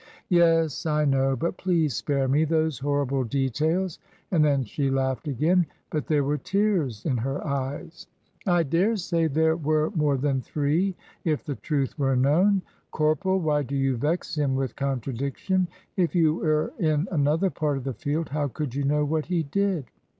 "Yes, I know, but please spare me those horrible details," and then she laughed again; but there were tears in her eyes. "I daresay there were more than three if the truth were known. Corporal, why do you vex him with contradiction? If you were in another part of the field how could you know what he did?"